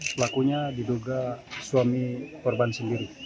pelakunya diduga suami korban sendiri